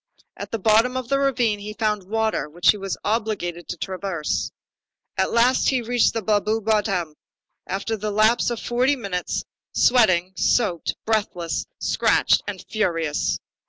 At the bottom of the ravine he found water which he was obliged to traverse. At last he reached the Blaru bottom, after the lapse of forty minutes, sweating, soaked, breathless, scratched, and ferocious.